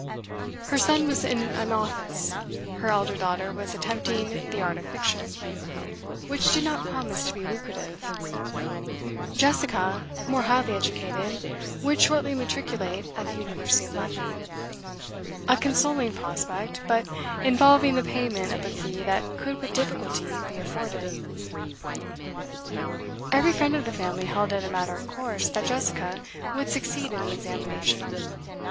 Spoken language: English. Her son was in an office;' her elder daughter was attempting the art of fiction, which did not promise to be lucrative; Jessica, more highly educated, would shortly matriculate at the University of London a consoling prospect, but involving the payment of a fee that could with difficulty be afforded. Every friend of the family held it a matter of course that Jessica would succeed in the examination.